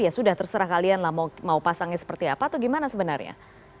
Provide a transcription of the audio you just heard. ya sudah terserah kalian lah mau pasangnya seperti apa atau gimana sebenarnya